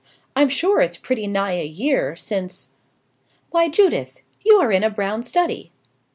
I'm sure it's pretty nigh a year since " "Why, Judith, you are in a brown study!"